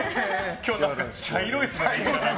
今日なんか茶色いですね。